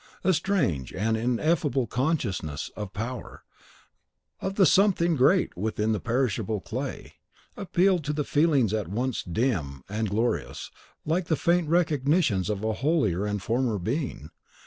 A strange and ineffable consciousness of power, of the SOMETHING GREAT within the perishable clay, appealed to feelings at once dim and glorious, like the faint recognitions of a holier and former being.